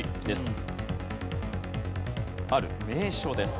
ある名所です。